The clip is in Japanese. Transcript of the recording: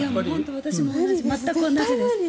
私も全く同じです。